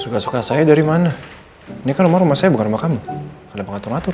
suka suka saya dari mana ini kan rumah rumah saya bukan rumah kamu kenapa ngatur ngatur